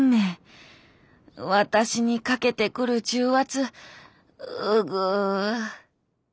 私にかけてくる重圧うぐ。